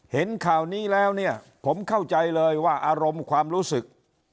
เห็นข่าวนี้แล้วเนี่ยผมเข้าใจเลยว่าอารมณ์ความรู้สึก